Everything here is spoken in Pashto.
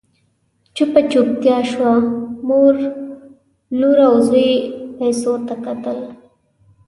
چوپه چوپتيا شوه، مور، لور او زوی پيسو ته کتل…